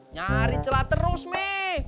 nyari celah terus mi